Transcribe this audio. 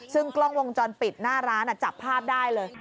ซึ่งกล้องวงจรปิดหน้าร้านจับภาพได้เลย